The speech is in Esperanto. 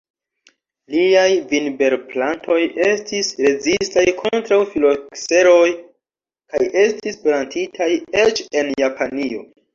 Liaj vinberplantoj estis rezistaj kontraŭ filokseroj kaj estis plantitaj eĉ en Japanio.